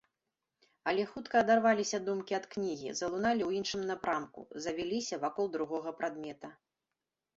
Але хутка адарваліся думкі ад кнігі, залуналі ў іншым напрамку, завіліся вакол другога прадмета.